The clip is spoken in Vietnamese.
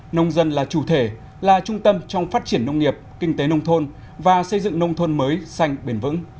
nông dân là chủ thể là trung tâm trong phát triển nông nghiệp kinh tế nông thôn và xây dựng nông thôn mới xanh bền vững